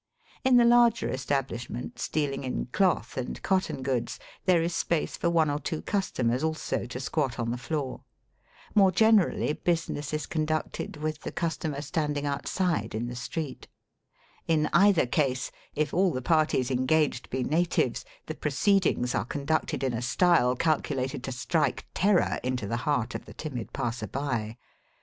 In the larger establishments dealing in cloth and cotton goods there is space for one or two customers also to squat on the floor. More generally business is conducted with the customer standing outside in the Digitized by VjOOQIC 216 EAST BY WEST. street. In either case, if all the parties engaged be natives, the proceedings are con ducted in a style calculated to strike terror into the heart of the timid passer by.